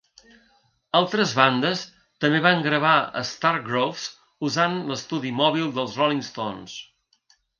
Altres bandes també van gravar a Stargroves usant l'estudi mòbil dels Rolling Stones.